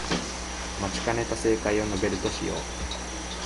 待ちかねた正解を述べるとしよう